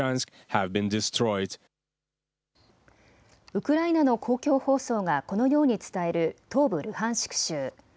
ウクライナの公共放送がこのように伝える東部ルハンシク州。